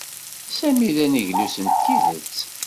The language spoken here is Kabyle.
Sami d aneglus n tidet.